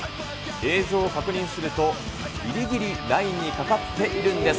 映像を確認すると、ぎりぎりラインにかかっているんです。